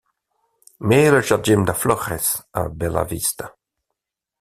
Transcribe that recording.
Met le Jardim das Flores à Bela Vista.